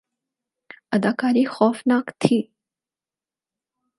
اداکاری خوفناک تھی